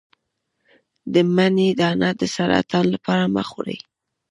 د مڼې دانه د سرطان لپاره مه خورئ